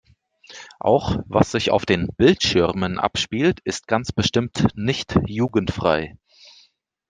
Auch was sich auf den Bildschirmen abspielt ist ganz bestimmt nicht jugendfrei.